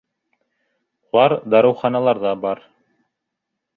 Улар дарыуханаларҙа бар.